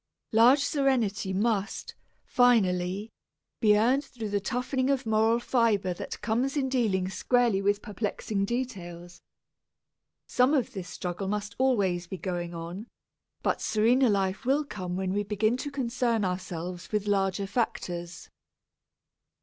Large serenity must, finally, be earned through the toughening of moral fibre that comes in dealing squarely with perplexing details. Some of this struggle must always be going on, but serener life will come when we begin to concern ourselves with larger factors.